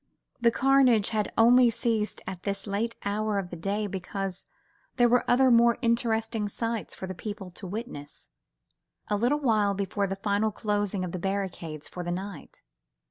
The carnage had only ceased at this late hour of the day because there were other more interesting sights for the people to witness, a little while before the final closing of the barricades for the night.